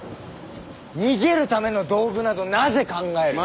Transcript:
逃げるための道具などなぜ考える。